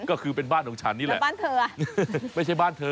ก็คือเป็นบ้านของฉันนี่แหละบ้านเธอไม่ใช่บ้านเธอ